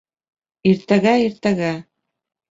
Иртәгә, иртәгә!..